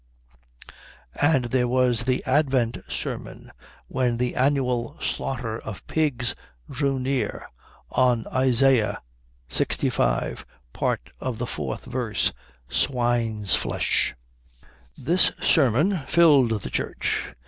And there was the Advent sermon when the annual slaughter of pigs drew near, on Isaiah lxv., part of the 4th verse, Swine's flesh. This sermon filled the church.